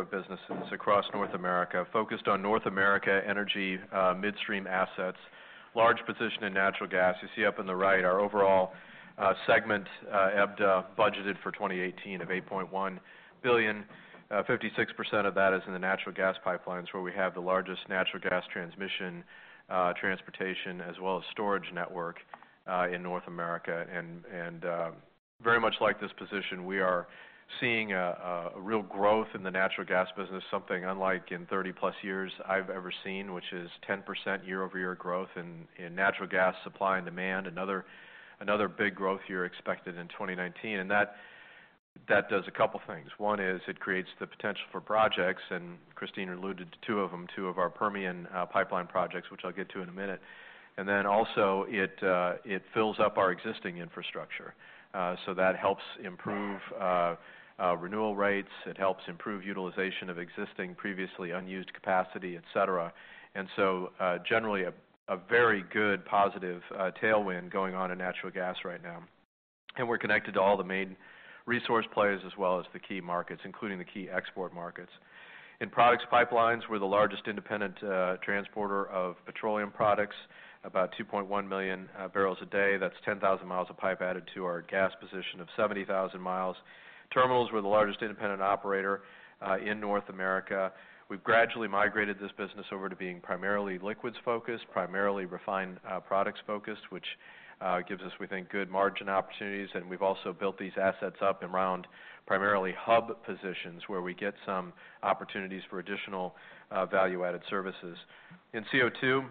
number of businesses across North America focused on North America energy midstream assets, large position in natural gas. You see up in the right our overall segment EBITDA budgeted for 2018 of $8.1 billion. 56% of that is in the natural gas pipelines where we have the largest natural gas transmission, transportation, as well as storage network in North America. Very much like this position, we are seeing a real growth in the natural gas business, something unlike in 30-plus years I've ever seen, which is 10% year-over-year growth in natural gas supply and demand. Another big growth year expected in 2019. That does a couple things. One is it creates the potential for projects, and Christine alluded to two of them, two of our Permian pipeline projects, which I'll get to in a minute. It also fills up our existing infrastructure. That helps improve renewal rates. It helps improve utilization of existing previously unused capacity, et cetera. Generally a very good positive tailwind going on in natural gas right now. We're connected to all the main resource players as well as the key markets, including the key export markets. In products pipelines, we're the largest independent transporter of petroleum products, about 2.1 million barrels a day. That's 10,000 miles of pipe added to our gas position of 70,000 miles. Terminals, we're the largest independent operator in North America. We've gradually migrated this business over to being primarily liquids focused, primarily refined products focused, which gives us, we think, good margin opportunities, and we've also built these assets up around primarily hub positions where we get some opportunities for additional value-added services. In CO2,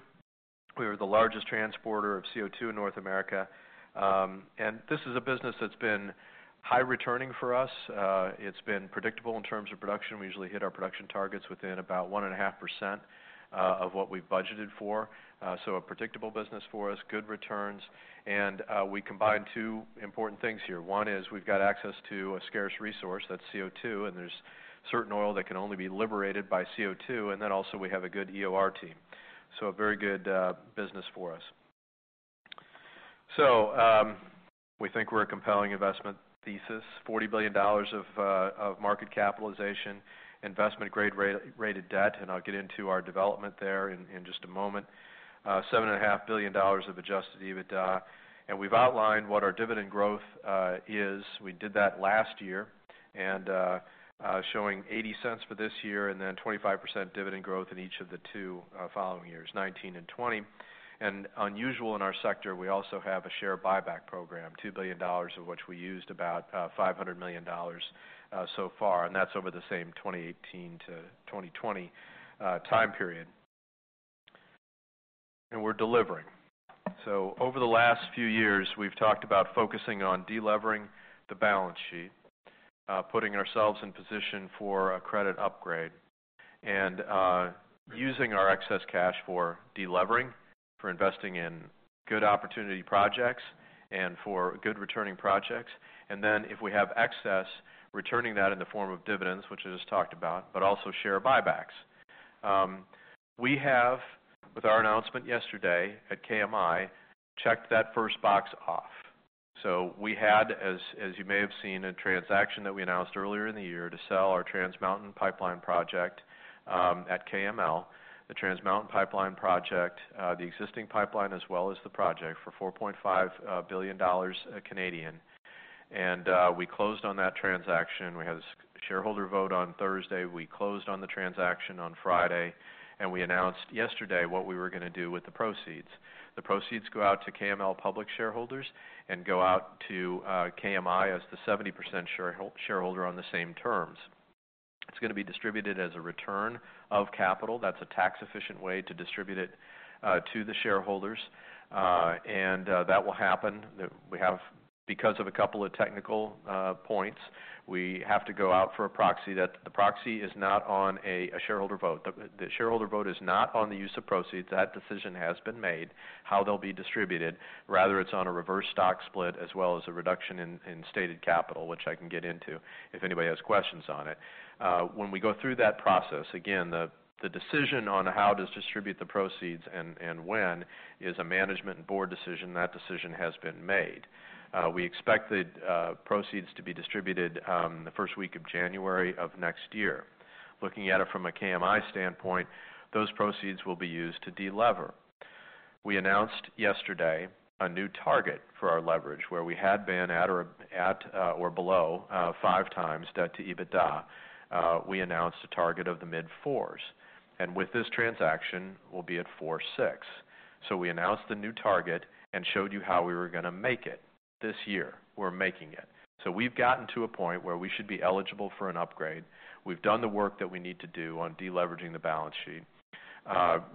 we are the largest transporter of CO2 in North America. This is a business that's been high returning for us. It's been predictable in terms of production. We usually hit our production targets within about 1.5% of what we've budgeted for. So a predictable business for us, good returns, and we combine two important things here. One is we've got access to a scarce resource, that's CO2, and there's certain oil that can only be liberated by CO2, and then also we have a good EOR team. So a very good business for us. We think we're a compelling investment thesis. $40 billion of market capitalization, investment-grade rated debt, and I'll get into our development there in just a moment. $7.5 billion of adjusted EBITDA. We've outlined what our dividend growth is. We did that last year, and showing $0.80 for this year, and then 25% dividend growth in each of the two following years, 2019 and 2020. Unusual in our sector, we also have a share buyback program, $2 billion of which we used about $500 million so far, and that's over the same 2018-2020 time period. We're delivering. So over the last few years, we've talked about focusing on delevering the balance sheet, putting ourselves in position for a credit upgrade, and using our excess cash for delevering, for investing in good opportunity projects, and for good returning projects. Then if we have excess, returning that in the form of dividends, which I just talked about, but also share buybacks. We have, with our announcement yesterday at KMI, checked that first box off. We had, as you may have seen, a transaction that we announced earlier in the year to sell our Trans Mountain pipeline project at KML. The Trans Mountain pipeline project, the existing pipeline as well as the project for 4.5 billion Canadian dollars. We closed on that transaction. We had a shareholder vote on Thursday. We closed on the transaction on Friday, we announced yesterday what we were going to do with the proceeds. The proceeds go out to KML public shareholders and go out to KMI as the 70% shareholder on the same terms. It's going to be distributed as a return of capital. That's a tax-efficient way to distribute it to the shareholders. That will happen. Because of a couple of technical points, we have to go out for a proxy. The proxy is not on a shareholder vote. The shareholder vote is not on the use of proceeds. That decision has been made, how they'll be distributed. Rather, it's on a reverse stock split as well as a reduction in stated capital, which I can get into if anybody has questions on it. When we go through that process, again, the decision on how to distribute the proceeds and when is a management and board decision. That decision has been made. We expect the proceeds to be distributed the first week of January of next year. Looking at it from a KMI standpoint, those proceeds will be used to delever. We announced yesterday a new target for our leverage, where we had been at or below 5x debt to EBITDA. We announced a target of the mid-4s. With this transaction, we'll be at 4.6. We announced the new target and showed you how we were going to make it this year. We're making it. We've gotten to a point where we should be eligible for an upgrade. We've done the work that we need to do on deleveraging the balance sheet.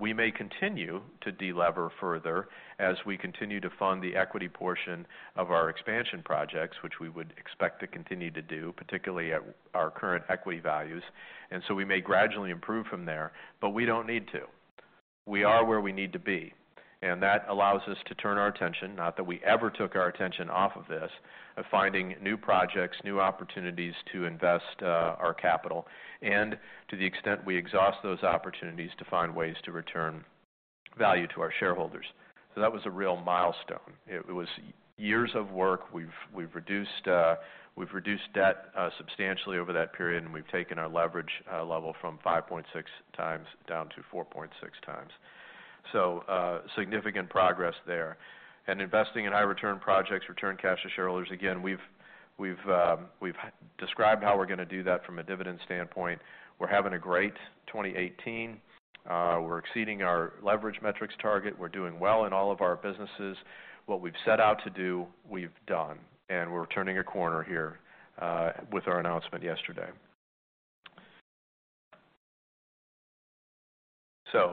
We may continue to delever further as we continue to fund the equity portion of our expansion projects, which we would expect to continue to do, particularly at our current equity values. We may gradually improve from there, but we don't need to. We are where we need to be, and that allows us to turn our attention, not that we ever took our attention off of this, of finding new projects, new opportunities to invest our capital, and to the extent we exhaust those opportunities to find ways to return value to our shareholders. That was a real milestone. It was years of work. We've reduced debt substantially over that period, and we've taken our leverage level from 5.6x down to 4.6x. Significant progress there. Investing in high return projects, return cash to shareholders. Again, we've described how we're going to do that from a dividend standpoint. We're having a great 2018. We're exceeding our leverage metrics target. We're doing well in all of our businesses. What we've set out to do, we've done, and we're turning a corner here with our announcement yesterday.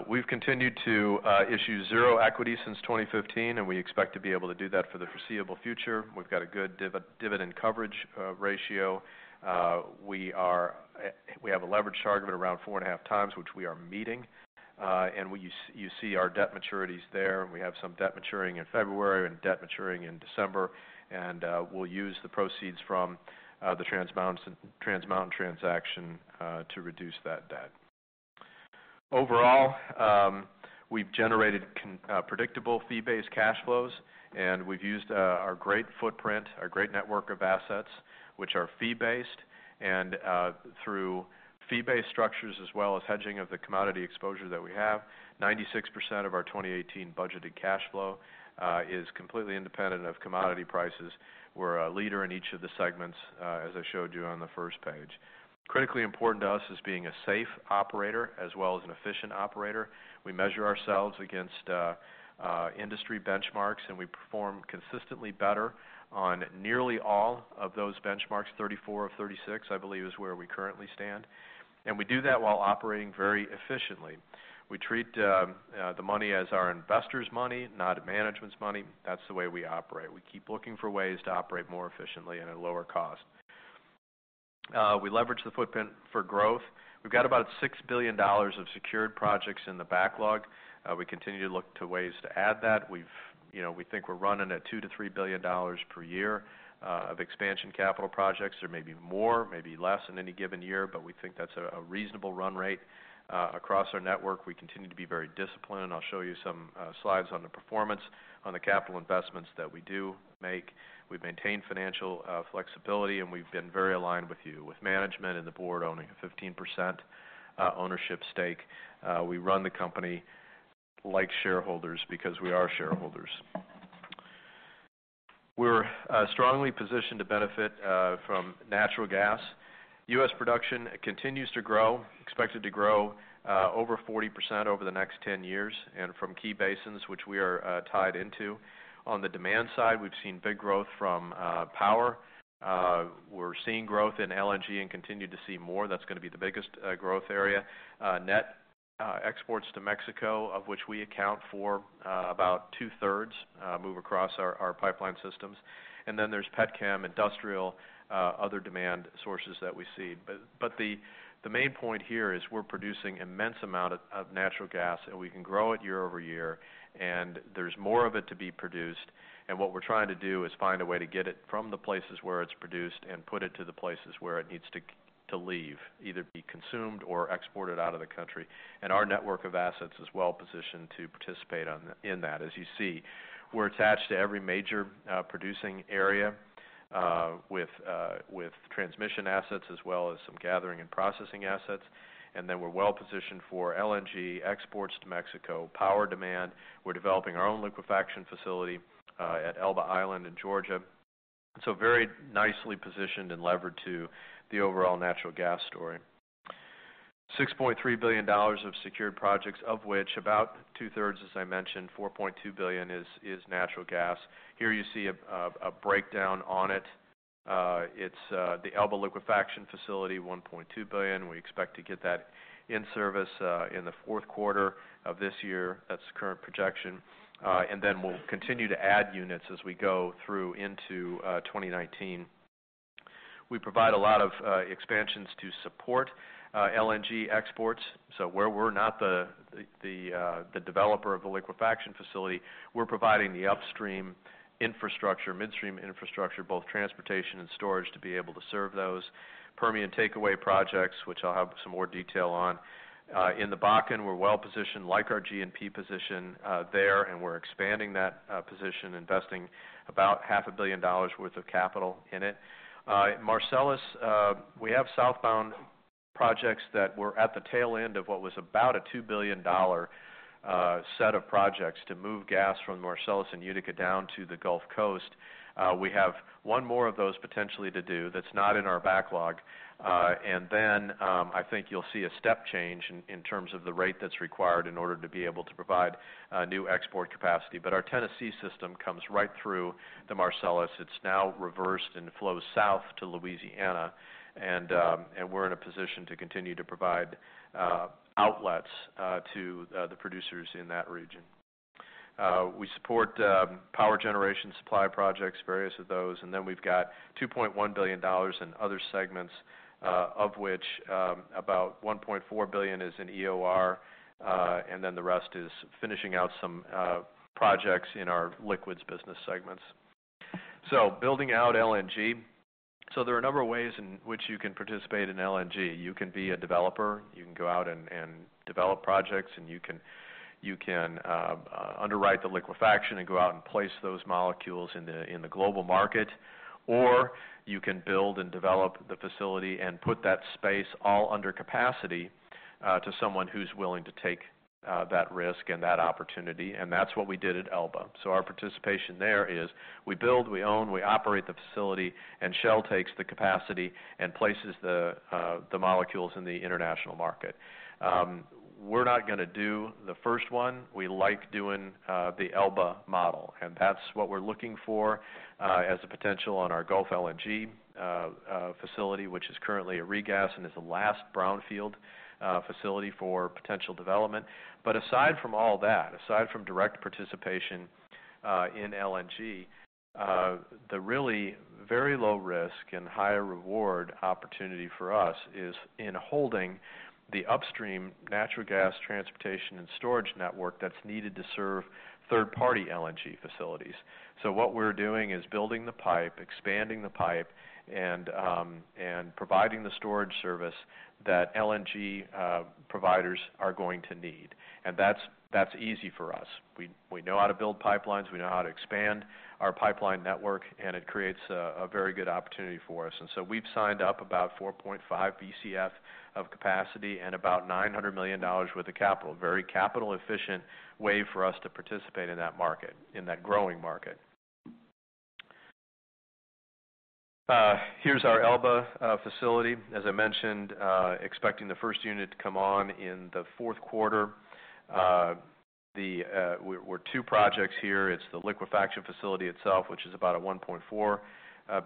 We've continued to issue zero equity since 2015, and we expect to be able to do that for the foreseeable future. We've got a good dividend coverage ratio. We have a leverage target of around 4.5x, which we are meeting. You see our debt maturities there, we have some debt maturing in February and debt maturing in December. We'll use the proceeds from the Trans Mountain transaction to reduce that debt. Overall, we've generated predictable fee-based cash flows, and we've used our great footprint, our great network of assets, which are fee-based, and through fee-based structures as well as hedging of the commodity exposure that we have. 96% of our 2018 budgeted cash flow is completely independent of commodity prices. We're a leader in each of the segments, as I showed you on the first page. Critically important to us is being a safe operator as well as an efficient operator. We measure ourselves against industry benchmarks, and we perform consistently better on nearly all of those benchmarks. 34 of 36, I believe, is where we currently stand. We do that while operating very efficiently. We treat the money as our investors' money, not management's money. That's the way we operate. We keep looking for ways to operate more efficiently and at a lower cost. We leverage the footprint for growth. We've got about $6 billion of secured projects in the backlog. We continue to look to ways to add that. We think we're running at $2 billion to $3 billion per year of expansion capital projects. There may be more, maybe less in any given year, but we think that's a reasonable run rate. Across our network, we continue to be very disciplined. I'll show you some slides on the performance on the capital investments that we do make. We've maintained financial flexibility, and we've been very aligned with you. With management and the board owning a 15% ownership stake, we run the company like shareholders because we are shareholders. We're strongly positioned to benefit from natural gas. U.S. production continues to grow, expected to grow over 40% over the next 10 years, and from key basins, which we are tied into. On the demand side, we've seen big growth from power. We're seeing growth in LNG and continue to see more. That's going to be the biggest growth area. Net exports to Mexico, of which we account for about two-thirds, move across our pipeline systems. There's petchem, industrial, other demand sources that we see. The main point here is we're producing immense amount of natural gas, and we can grow it year over year, and there's more of it to be produced. What we're trying to do is find a way to get it from the places where it's produced and put it to the places where it needs to leave, either be consumed or exported out of the country. Our network of assets is well-positioned to participate in that. As you see, we're attached to every major producing area with transmission assets as well as some gathering and processing assets. Then we're well-positioned for LNG exports to Mexico, power demand. We're developing our own liquefaction facility at Elba Island in Georgia. Very nicely positioned and levered to the overall natural gas story. $6.3 billion of secured projects, of which about two-thirds, as I mentioned, $4.2 billion, is natural gas. Here you see a breakdown on it. It's the Elba liquefaction facility, $1.2 billion. We expect to get that in service in the fourth quarter of this year. That's the current projection. We'll continue to add units as we go through into 2019. We provide a lot of expansions to support LNG exports. Where we're not the developer of the liquefaction facility, we're providing the upstream infrastructure, midstream infrastructure, both transportation and storage, to be able to serve those Permian takeaway projects, which I'll have some more detail on. In the Bakken, we're well-positioned, like our G&P position there, and we're expanding that position, investing about $0.5 billion worth of capital in it. Marcellus, we have southbound projects that were at the tail end of what was about a $2 billion set of projects to move gas from Marcellus and Utica down to the Gulf Coast. We have one more of those potentially to do that's not in our backlog. I think you'll see a step change in terms of the rate that's required in order to be able to provide new export capacity. Our Tennessee system comes right through the Marcellus. It's now reversed and flows south to Louisiana, and we're in a position to continue to provide outlets to the producers in that region. We support power generation supply projects, various of those, we've got $2.1 billion in other segments of which about $1.4 billion is in EOR, the rest is finishing out some projects in our liquids business segments. Building out LNG. There are a number of ways in which you can participate in LNG. You can be a developer, you can go out and develop projects, you can underwrite the liquefaction and go out and place those molecules in the global market, or you can build and develop the facility and put that space all under capacity to someone who's willing to take that risk and that opportunity. That's what we did at Elba. Our participation there is we build, we own, we operate the facility, and Shell takes the capacity and places the molecules in the international market. We're not going to do the first one. We like doing the Elba model, and that's what we're looking for as a potential on our Gulf LNG facility, which is currently a regas, and is the last brownfield facility for potential development. Aside from all that, aside from direct participation in LNG, the really very low risk and high reward opportunity for us is in holding the upstream natural gas transportation and storage network that's needed to serve third-party LNG facilities. What we're doing is building the pipe, expanding the pipe, and providing the storage service that LNG providers are going to need. That's easy for us. We know how to build pipelines, we know how to expand our pipeline network, and it creates a very good opportunity for us. We've signed up about 4.5 Bcf of capacity and about $900 million worth of capital. Very capital efficient way for us to participate in that growing market. Here's our Elba facility. As I mentioned, expecting the first unit to come on in the fourth quarter. We're two projects here. It's the liquefaction facility itself, which is about a $1.4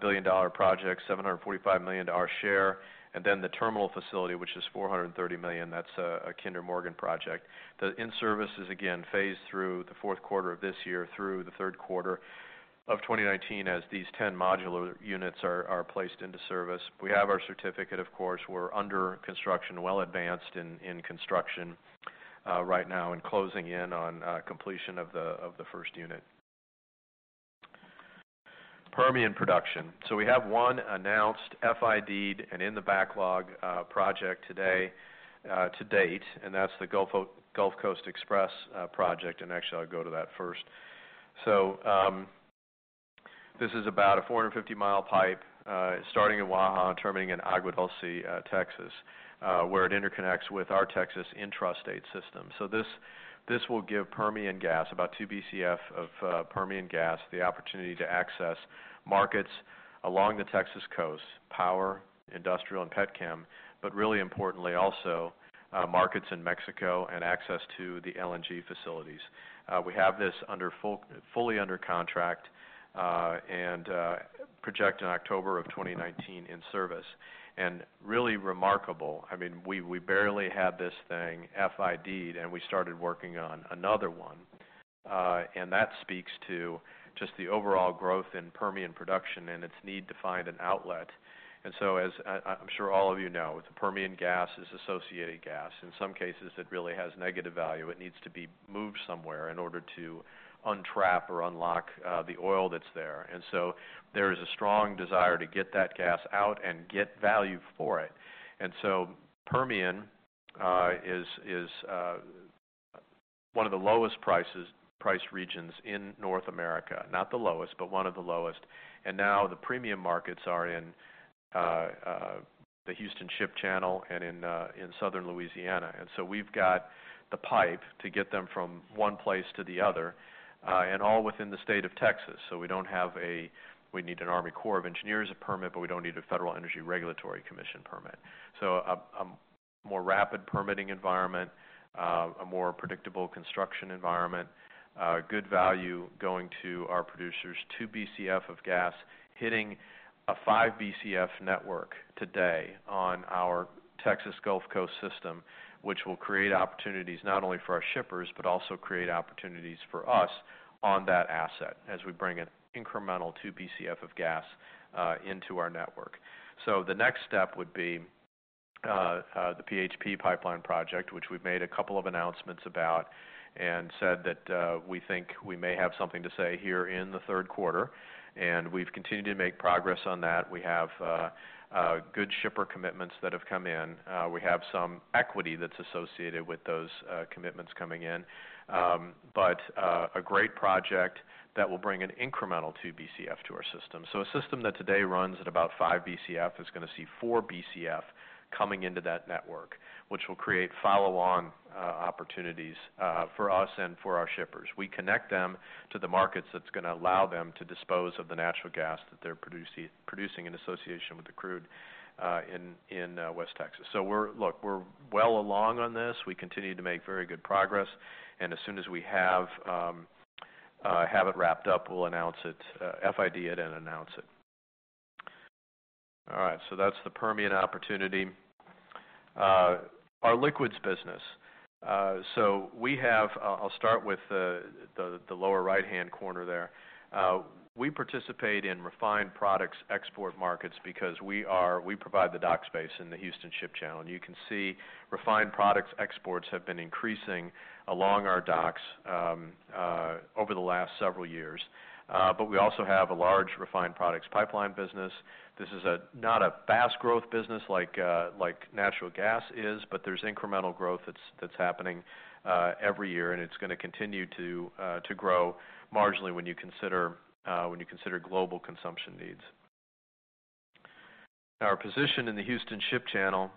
billion project, $745 million our share. The terminal facility, which is $430 million. That's a Kinder Morgan project. The in-service is, again, phased through the fourth quarter of this year through the third quarter of 2019 as these 10 modular units are placed into service. We have our certificate, of course. We're under construction, well advanced in construction right now, and closing in on completion of the first unit. Permian production. We have one announced, FID'd, and in-the-backlog project to date. That's the Gulf Coast Express project. Actually, I'll go to that first. This is about a 450-mile pipe starting in Waha and terminating in Aguadulce, Texas where it interconnects with our Texas intrastate system. This will give Permian gas, about 2 Bcf of Permian gas, the opportunity to access markets along the Texas coast, power, industrial, and petchem, but really importantly also, markets in Mexico and access to the LNG facilities. We have this fully under contract, project in October of 2019 in service. Really remarkable, we barely had this thing FID'd, we started working on another one. That speaks to just the overall growth in Permian production and its need to find an outlet. As I'm sure all of you know, the Permian gas is associated gas. In some cases, it really has negative value. It needs to be moved somewhere in order to untrap or unlock the oil that's there. There is a strong desire to get that gas out and get value for it. Permian is one of the lowest priced regions in North America. Not the lowest, but one of the lowest. Now the premium markets are in the Houston Ship Channel and in Southern Louisiana. We've got the pipe to get them from one place to the other, and all within the state of Texas. We need an Army Corps of Engineers permit, but we don't need a Federal Energy Regulatory Commission permit. A more rapid permitting environment, a more predictable construction environment, good value going to our producers. 2 Bcf of gas hitting a 5 Bcf network today on our Texas Gulf Coast system, which will create opportunities not only for our shippers, but also create opportunities for us on that asset as we bring an incremental 2 Bcf of gas into our network. The next step would be the PHP pipeline project, which we've made a couple of announcements about and said that we think we may have something to say here in the third quarter, and we've continued to make progress on that. We have good shipper commitments that have come in. We have some equity that's associated with those commitments coming in. A great project that will bring an incremental 2 Bcf to our system. A system that today runs at about 5 Bcf is going to see 4 Bcf coming into that network, which will create follow-on opportunities for us and for our shippers. We connect them to the markets that's going to allow them to dispose of the natural gas that they're producing in association with the crude in West Texas. Look, we're well along on this. We continue to make very good progress. As soon as we have it wrapped up, we'll FID it and announce it. All right. That's the Permian opportunity. Our liquids business. I'll start with the lower right-hand corner there. We participate in refined products export markets because we provide the dock space in the Houston Ship Channel. You can see refined products exports have been increasing along our docks over the last several years. We also have a large refined products pipeline business. This is not a fast growth business like natural gas is, but there's incremental growth that's happening every year, and it's going to continue to grow marginally when you consider global consumption needs. Our position in the Houston Ship Channel,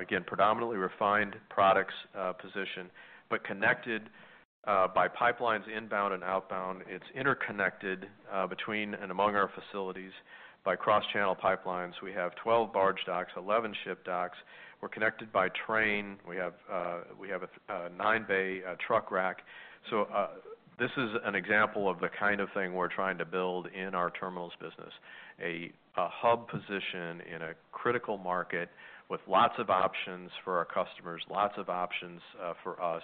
again, predominantly refined products position, but connected by pipelines inbound and outbound. It's interconnected between and among our facilities by cross-channel pipelines. We have 12 barge docks, 11 ship docks. We're connected by train. We have a nine-bay truck rack. This is an example of the kind of thing we're trying to build in our terminals business, a hub position in a critical market with lots of options for our customers, lots of options for us,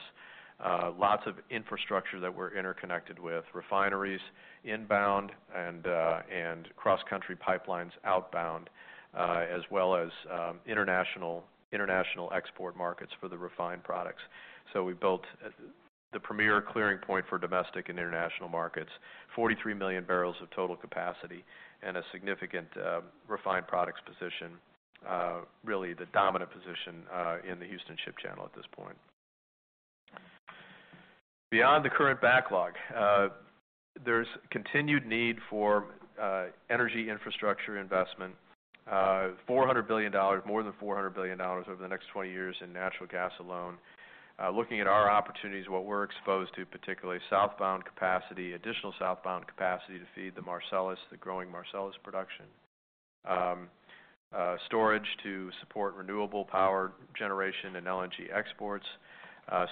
lots of infrastructure that we're interconnected with refineries inbound and cross-country pipelines outbound, as well as international export markets for the refined products. We built the premier clearing point for domestic and international markets, 43 million barrels of total capacity, and a significant refined products position. Really the dominant position in the Houston Ship Channel at this point. Beyond the current backlog, there's continued need for energy infrastructure investment. More than $400 billion over the next 20 years in natural gas alone. Looking at our opportunities, what we're exposed to, particularly southbound capacity, additional southbound capacity to feed the Marcellus, the growing Marcellus production. Storage to support renewable power generation and LNG exports.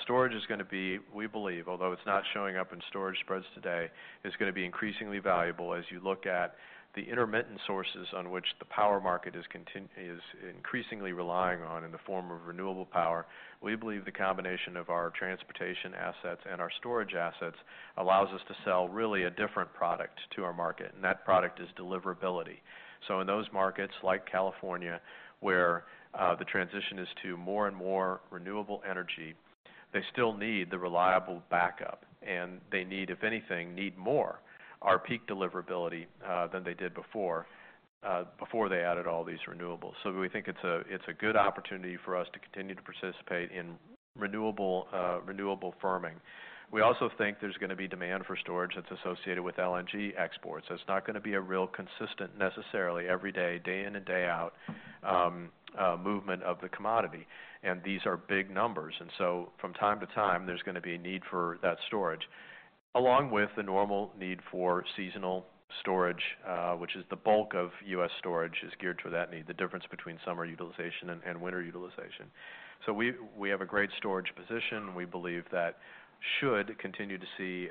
Storage is going to be, we believe, although it's not showing up in storage spreads today, is going to be increasingly valuable as you look at the intermittent sources on which the power market is increasingly relying on in the form of renewable power. We believe the combination of our transportation assets and our storage assets allows us to sell really a different product to our market, and that product is deliverability. In those markets like California, where the transition is to more and more renewable energy, they still need the reliable backup, and they need, if anything, need more our peak deliverability than they did before they added all these renewables. We think it's a good opportunity for us to continue to participate in renewable firming. We also think there's going to be demand for storage that's associated with LNG exports. It's not going to be a real consistent, necessarily every day in and day out, movement of the commodity. These are big numbers, and so from time to time, there's going to be a need for that storage, along with the normal need for seasonal storage, which is the bulk of U.S. storage is geared to that need, the difference between summer utilization and winter utilization. We have a great storage position, and we believe that should continue to see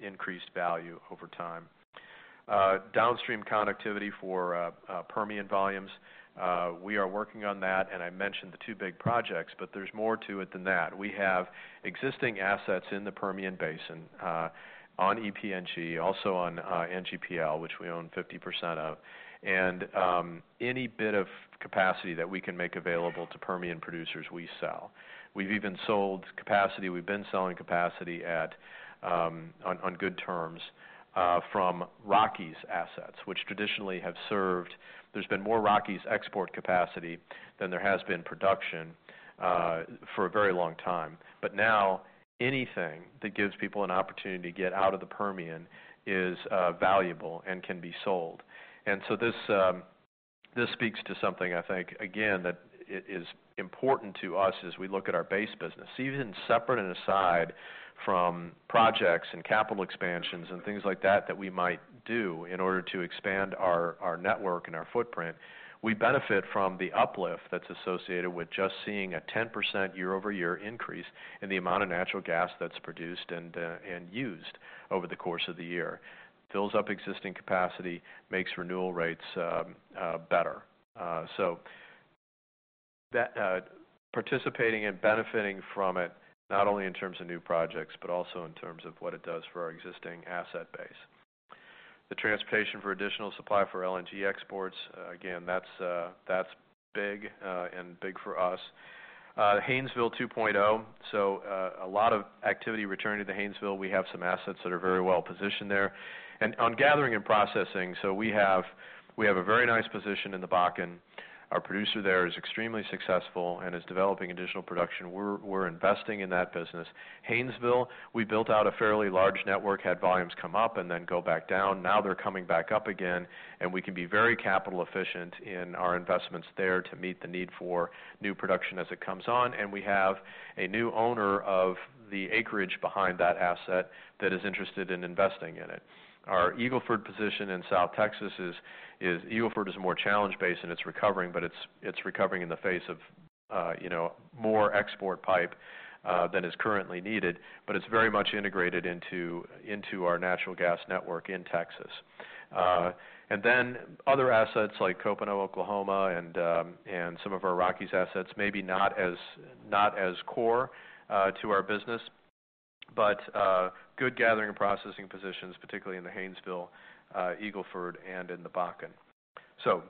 increased value over time. Downstream connectivity for Permian volumes. We are working on that, I mentioned the two big projects, but there's more to it than that. We have existing assets in the Permian Basin on EPNG, also on NGPL, which we own 50% of. Any bit of capacity that we can make available to Permian producers, we sell. We've even sold capacity. We've been selling capacity on good terms from Rockies assets, which traditionally have served. There's been more Rockies export capacity than there has been production for a very long time. Now anything that gives people an opportunity to get out of the Permian is valuable and can be sold. This speaks to something, I think, again, that is important to us as we look at our base business. Even separate and aside from projects and capital expansions and things like that we might do in order to expand our network and our footprint, we benefit from the uplift that's associated with just seeing a 10% year-over-year increase in the amount of natural gas that's produced and used over the course of the year. Fills up existing capacity, makes renewal rates better. Participating and benefiting from it, not only in terms of new projects, but also in terms of what it does for our existing asset base. The transportation for additional supply for LNG exports, again, that's big, and big for us. Haynesville 2.0. A lot of activity returning to Haynesville. We have some assets that are very well-positioned there. On gathering and processing, we have a very nice position in the Bakken. Our producer there is extremely successful and is developing additional production. We're investing in that business. Haynesville, we built out a fairly large network, had volumes come up and then go back down. Now they're coming back up again, and we can be very capital efficient in our investments there to meet the need for new production as it comes on. We have a new owner of the acreage behind that asset that is interested in investing in it. Our Eagle Ford position in South Texas is. Eagle Ford is a more challenged base and it's recovering, but it's recovering in the face of more export pipe than is currently needed. It's very much integrated into our natural gas network in Texas. Other assets like Copano, Oklahoma, and some of our Rockies assets, maybe not as core to our business. Good gathering and processing positions, particularly in the Haynesville, Eagle Ford, and in the Bakken.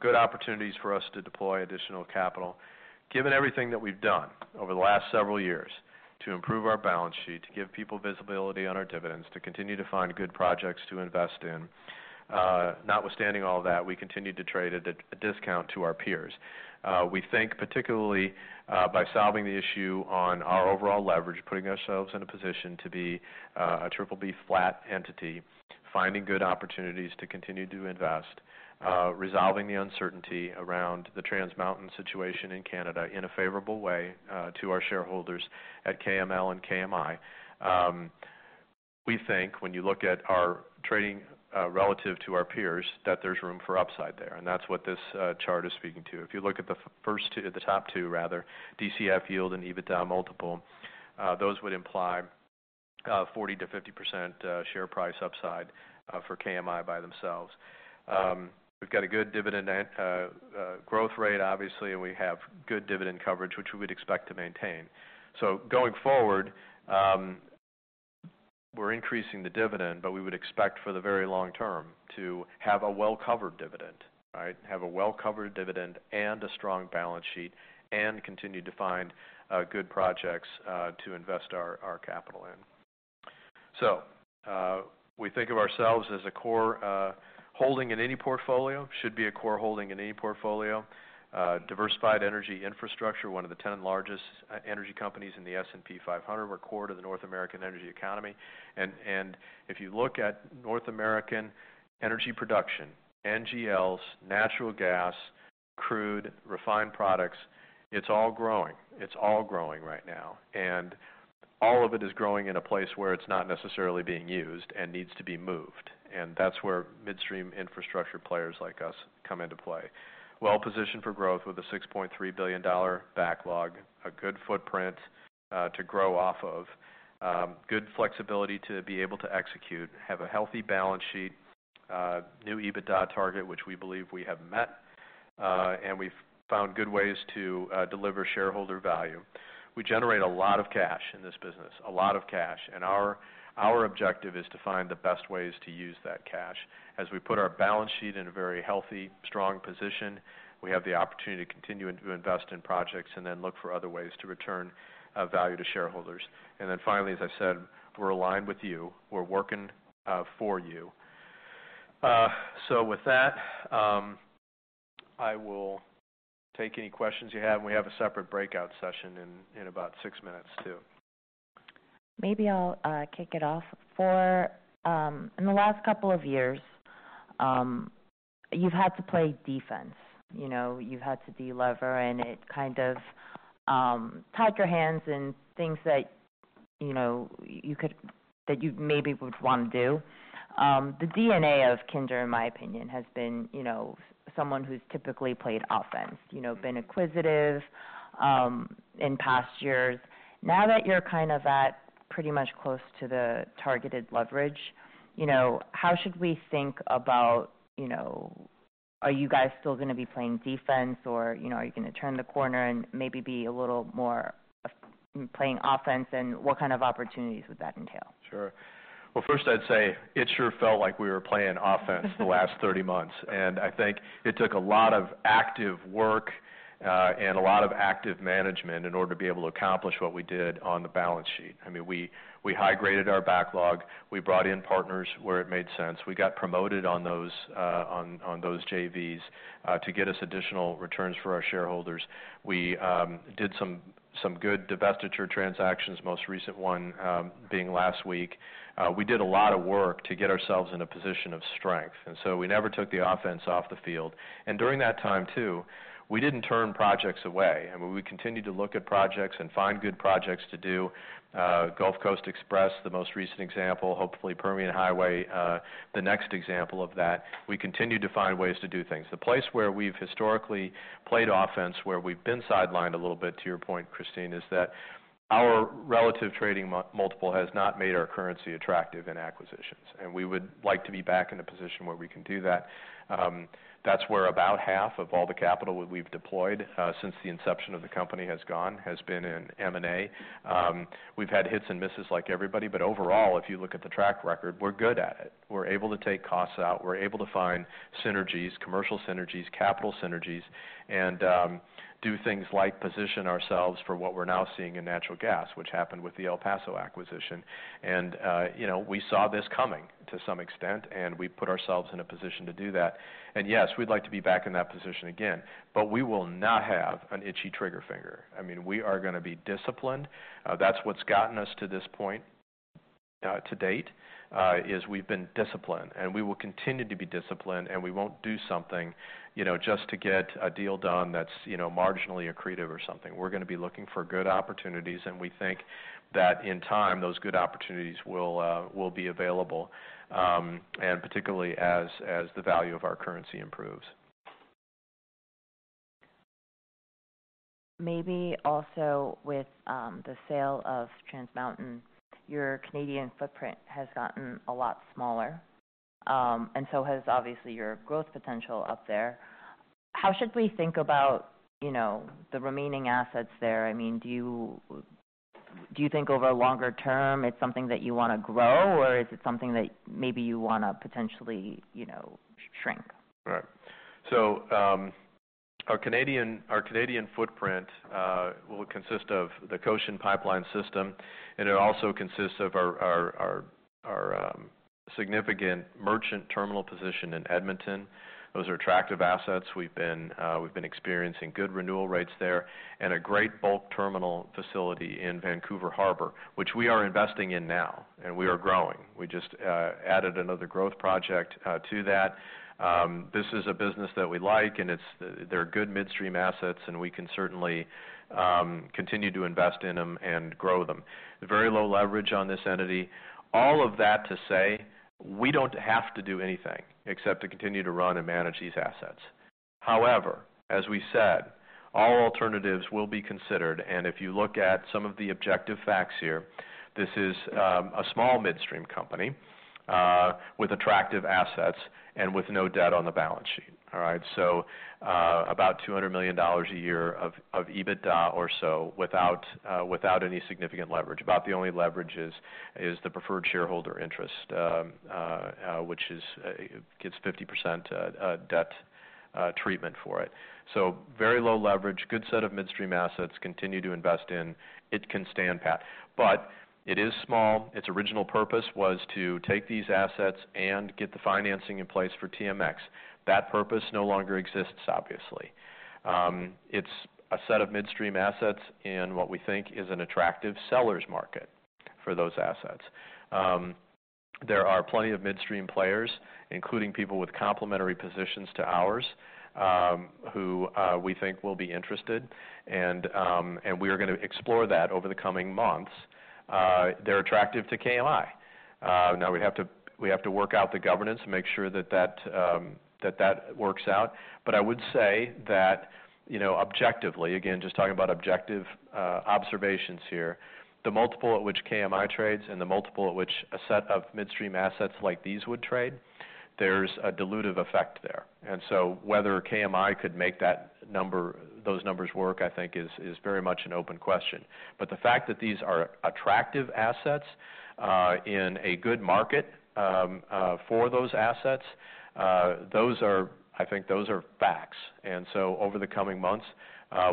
Good opportunities for us to deploy additional capital. Given everything that we've done over the last several years to improve our balance sheet, to give people visibility on our dividends, to continue to find good projects to invest in, notwithstanding all that, we continue to trade at a discount to our peers. We think particularly by solving the issue on our overall leverage, putting ourselves in a position to be a triple B flat entity, finding good opportunities to continue to invest, resolving the uncertainty around the Trans Mountain situation in Canada in a favorable way to our shareholders at KML and KMI. We think, when you look at our trading relative to our peers, that there's room for upside there, and that's what this chart is speaking to. If you look at the top two, DCF yield and EBITDA multiple, those would imply 40%-50% share price upside for KMI by themselves. We've got a good dividend growth rate, obviously, and we have good dividend coverage, which we would expect to maintain. Going forward, we're increasing the dividend, but we would expect for the very long term to have a well-covered dividend, right? Have a well-covered dividend and a strong balance sheet and continue to find good projects to invest our capital in. We think of ourselves as a core holding in any portfolio, should be a core holding in any portfolio. Diversified energy infrastructure, one of the 10 largest energy companies in the S&P 500. We're core to the North American energy economy. If you look at North American energy production, NGLs, natural gas, crude, refined products, it's all growing. It's all growing right now, all of it is growing in a place where it's not necessarily being used and needs to be moved, and that's where midstream infrastructure players like us come into play. Well-positioned for growth with a $6.3 billion backlog, a good footprint to grow off of. Good flexibility to be able to execute, have a healthy balance sheet, new EBITDA target, which we believe we have met, we've found good ways to deliver shareholder value. We generate a lot of cash in this business, a lot of cash, our objective is to find the best ways to use that cash. As we put our balance sheet in a very healthy, strong position, we have the opportunity to continue to invest in projects look for other ways to return value to shareholders. Finally, as I've said, we're aligned with you. We're working for you. With that, I will take any questions you have, we have a separate breakout session in about six minutes too. Maybe I'll kick it off. In the last couple of years, you've had to play defense. You've had to de-lever, it kind of tied your hands in things that you maybe would want to do. The DNA of Kinder, in my opinion, has been someone who's typically played offense. Been acquisitive in past years. Now that you're kind of at pretty much close to the targeted leverage, how should we think about, are you guys still going to be playing defense or are you going to turn the corner and maybe be a little more playing offense, what kind of opportunities would that entail? Sure. Well, first I'd say it sure felt like we were playing offense the last 30 months. I think it took a lot of active work, and a lot of active management in order to be able to accomplish what we did on the balance sheet. We high-graded our backlog. We brought in partners where it made sense. We got promoted on those JVs to get us additional returns for our shareholders. We did some good divestiture transactions, most recent one being last week. We did a lot of work to get ourselves in a position of strength, and so we never took the offense off the field. During that time too, we didn't turn projects away. We continued to look at projects and find good projects to do. Gulf Coast Express, the most recent example, hopefully Permian Highway, the next example of that. We continue to find ways to do things. The place where we've historically played offense, where we've been sidelined a little bit to your point, Christine, is that our relative trading multiple has not made our currency attractive in acquisitions. We would like to be back in a position where we can do that. That's where about half of all the capital we've deployed since the inception of the company has gone, has been in M&A. We've had hits and misses like everybody. Overall, if you look at the track record, we're good at it. We're able to take costs out. We're able to find synergies, commercial synergies, capital synergies, and do things like position ourselves for what we're now seeing in natural gas, which happened with the El Paso acquisition. We saw this coming to some extent, and we put ourselves in a position to do that. Yes, we'd like to be back in that position again, but we will not have an itchy trigger finger. We are going to be disciplined. That's what's gotten us to this point to date, is we've been disciplined, and we will continue to be disciplined, and we won't do something just to get a deal done that's marginally accretive or something. We're going to be looking for good opportunities. We think that in time, those good opportunities will be available, particularly as the value of our currency improves. Maybe also with the sale of Trans Mountain, your Canadian footprint has gotten a lot smaller. So has obviously your growth potential up there. How should we think about the remaining assets there? Do you think over a longer term it's something that you want to grow, or is it something that maybe you want to potentially shrink? Right. Our Canadian footprint will consist of the Cochin pipeline system, and it also consists of our significant merchant terminal position in Edmonton. Those are attractive assets. We've been experiencing good renewal rates there and a great bulk terminal facility in Vancouver Harbor, which we are investing in now, and we are growing. We just added another growth project to that. This is a business that we like, and they're good midstream assets. We can certainly continue to invest in them and grow them. Very low leverage on this entity. All of that to say, we don't have to do anything except to continue to run and manage these assets. However, as we said, all alternatives will be considered. If you look at some of the objective facts here, this is a small midstream company with attractive assets and with no debt on the balance sheet. All right? About $200 million a year of EBITDA or so without any significant leverage. About the only leverage is the preferred shareholder interest, which gets 50% debt treatment for it. Very low leverage, good set of midstream assets, continue to invest in. It can stand pat. It is small. Its original purpose was to take these assets and get the financing in place for TMX. That purpose no longer exists, obviously. It's a set of midstream assets in what we think is an attractive seller's market for those assets. There are plenty of midstream players, including people with complementary positions to ours, who we think will be interested. We are going to explore that over the coming months. They're attractive to KMI. We have to work out the governance and make sure that works out. I would say that objectively, again, just talking about objective observations here, the multiple at which KMI trades and the multiple at which a set of midstream assets like these would trade, there's a dilutive effect there. Whether KMI could make those numbers work, I think is very much an open question. The fact that these are attractive assets in a good market for those assets, I think those are facts. Over the coming months,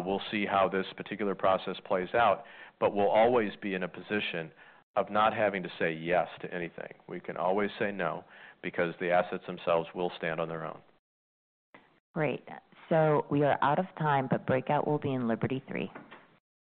we'll see how this particular process plays out, but we'll always be in a position of not having to say yes to anything. We can always say no because the assets themselves will stand on their own. Great. We are out of time, but breakout will be in Liberty III.